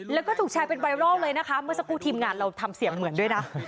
แล้วก็ถูกแชร์เป็นไวรัลเลยนะคะเมื่อสักครู่ทีมงานเราทำเสียงเหมือนด้วยนะ